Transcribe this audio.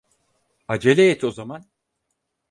Acele et o zaman.